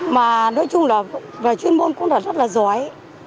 mà nói chung là về chuyên môn cũng là rất là giỏi